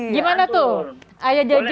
gimana tuh ayah jaja